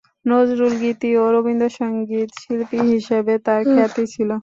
নজরুল গীতি ও রবীন্দ্র সঙ্গীত শিল্পী হিসেবে তার খ্যাতি ছিল।